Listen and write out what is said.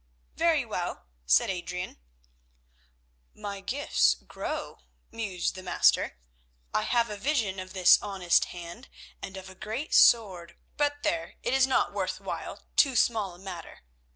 "Very well," said Adrian. "My gifts grow," mused the master. "I have a vision of this honest hand and of a great sword—but, there, it is not worth while, too small a matter.